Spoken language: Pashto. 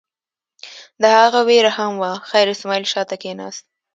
د هغه وېره هم وه، خیر اسماعیل شا ته کېناست.